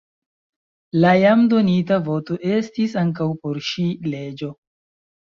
La jam donita voto estis ankaŭ por ŝi leĝo.